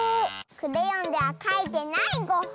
クレヨンではかいてないゴッホ。